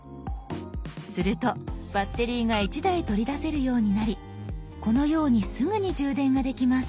するとバッテリーが１台取り出せるようになりこのようにすぐに充電ができます。